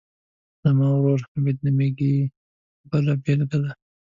زما ورور حمید نومیږي بله بېلګه ده.